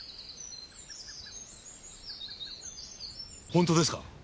本当ですか？